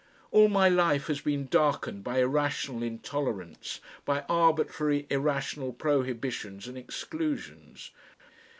All my life has been darkened by irrational intolerance, by arbitrary irrational prohibitions and exclusions.